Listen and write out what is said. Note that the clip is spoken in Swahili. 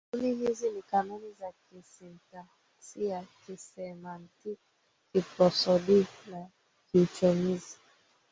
Kanuni hizo ni kanuni ya kisintaksia, kisemantiki, kiprosodi na kiuchomizi.